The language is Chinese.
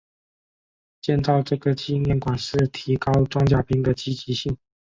建造这个纪念馆是提高装甲兵的积极性。